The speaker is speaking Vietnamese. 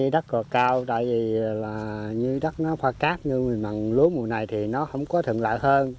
đất còn cao tại vì như đất nó pha cát như mình bằng lúa mùa này thì nó không có thường lại hơn